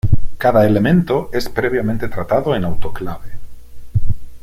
Cada elemento es previamente tratado en autoclave.